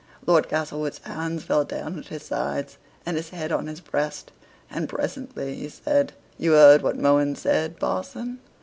Lord Castlewood's hands fell down at his sides, and his head on his breast, and presently he said, "You heard what Mohun said, parson?"